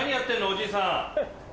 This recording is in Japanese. おじいさん。